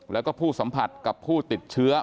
แล้วก็ผู้สัมผัสกับผู้ติดเชื้อ